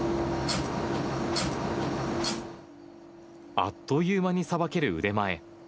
あっという間にさばける腕前。